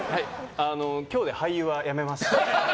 今日で俳優は辞めました。